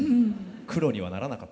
黒にはならなかった。